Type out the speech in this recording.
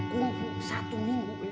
kungfu satu minggu